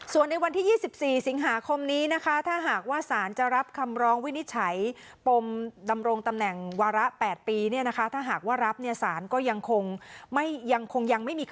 ซึ่งคือกับสารถามว่าปฏิบัตินาทีต่อ